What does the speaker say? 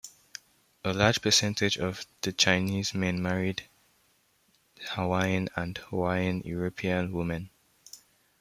A large percentage of the Chinese men married Hawaiian and Hawaiian European women.